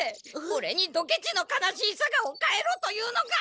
オレにドケチの悲しいさがをかえろと言うのか！？